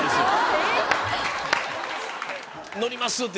「載ります」